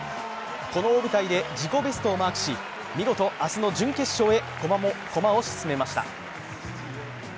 この大舞台で自己ベストをマークし、見事、明日の準決勝へ駒を進めました。